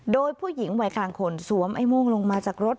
โดยผู้หญิงวัยกลางคนสวมไอ้โม่งลงมาจากรถ